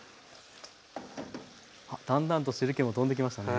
あだんだんと汁けもとんできましたね。